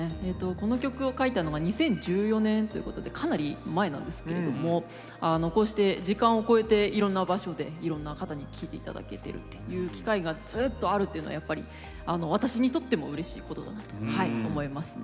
この曲を書いたのが２０１４年ということでかなり前なんですけれどもこうして時間を超えていろんな場所でいろんな方に聴いていただけてるっていう機会がずっとあるっていうのはやっぱり私にとってもうれしいことだなと思いますね。